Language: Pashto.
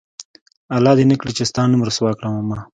الله دې نه کړي چې ستا نوم رسوا کومه